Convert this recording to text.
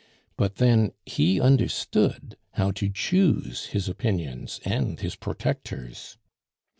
But then he understood how to choose his opinions and his protectors.